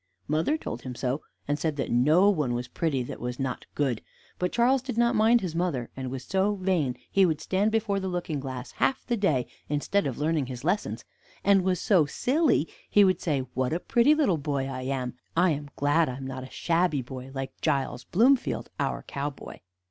Mother told him so, and said that no one was pretty that was not good; but Charles did not mind his mother, and was so vain he would stand before the looking glass half the day, instead of learning his lessons; and was so silly he would say, "What a pretty little boy I am! I am glad I am not a shabby boy, like Giles Bloomfield, our cowboy."